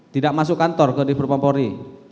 tidak masuk kantor ke dpr pohori